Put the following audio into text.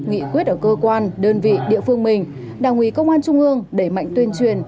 nghị quyết ở cơ quan đơn vị địa phương mình đảng ủy công an trung ương đẩy mạnh tuyên truyền